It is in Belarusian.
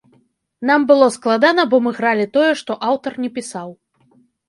Нам было складана, бо мы гралі тое, што аўтар не пісаў.